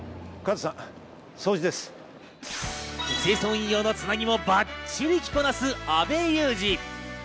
清掃員用のつなぎもバッチリ着こなす阿部祐二。